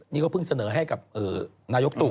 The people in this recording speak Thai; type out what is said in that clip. นี่ก็เพิ่งเสนอให้กับนายกตู่